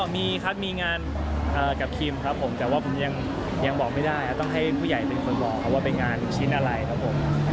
มีครับมีงานกับครีมครับผมแต่ว่าผมยังบอกไม่ได้ต้องให้ผู้ใหญ่เป็นคนบอกครับว่าเป็นงานชิ้นอะไรครับผม